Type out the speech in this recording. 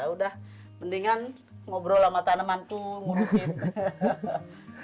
udah mendingan ngobrol sama taneman ku ngurusin